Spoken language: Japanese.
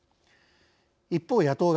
一方、野党側。